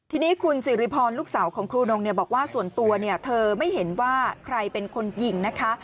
ทีนี้คุณสิริพรลูกสาวของครูนงบอกว่าส่วนตัวเนี่ยเธอไม่เห็นว่าใครเป็นคนยิงนะคะ